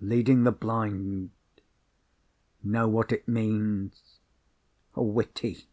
leading the blind ... know what it means ... witty